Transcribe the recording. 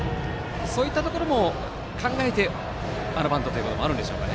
そういったところも考えてあのバントということもあるんでしょうかね。